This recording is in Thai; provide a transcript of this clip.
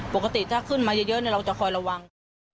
ปกติถ้าขึ้นมาเยอะเราจะคอยระวัง